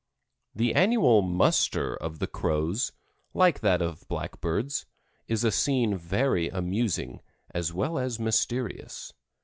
The annual "muster" of the Crows, like that of blackbirds, is a scene very amusing, as well as mysterious.